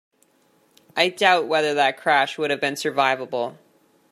I doubt whether that crash would have been survivable.